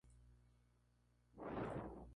Era hija de un trabajador ferroviario.